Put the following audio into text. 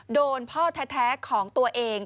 โดนพ่อแท้ของตัวเอง